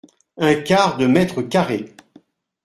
Un quart de mètre carré.